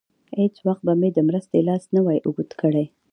هېڅ وخت به مې د مرستې لاس نه وای اوږد کړی.